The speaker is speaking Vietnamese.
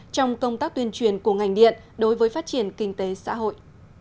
trong công tác tuyên truyền của ngành điện đối với phát triển kinh tế xã hội